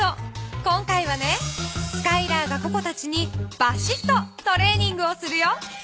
今回はねスカイラーがココたちにバシっとトレーニングをするよ。